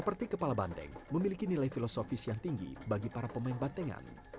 seperti kepala banteng memiliki nilai filosofis yang tinggi bagi para pemain bantengan